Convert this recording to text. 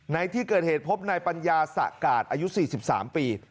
ในที่เกิดเหตุพบนายปัญญาสะกาดอายุ๔๓ปี